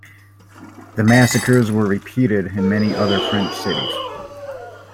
The massacres were repeated in many other French cities.